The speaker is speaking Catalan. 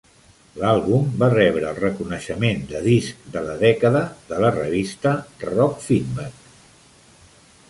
L'àlbum va rebre el reconeixement de Disc de la dècada de la revista Rockfeedback.